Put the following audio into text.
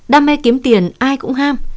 đam mê kiếm tiền ai cũng ham